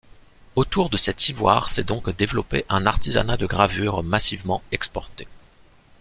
Autour de cet ivoire s'est donc développé un artisanat de gravure massivement exporté.